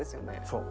そう。